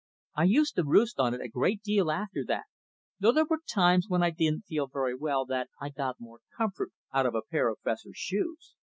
I used to roost on it a great deal after that, though there were times when I didn't feel very well that I got more comfort out of a pair of Fessor's shoes.